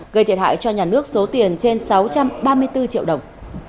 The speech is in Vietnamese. gây thiệt hại cho nhà nước số tiền trên sáu trăm ba mươi bốn triệu đồng